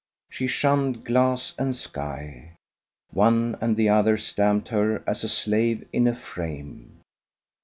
She shunned glass and sky. One and the other stamped her as a slave in a frame.